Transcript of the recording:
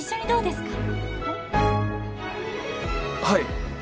はい。